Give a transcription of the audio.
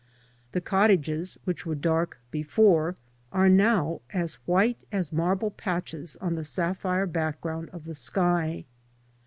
The cottages, which were dark before, are now white as marble patches on the sapphire background of the sky.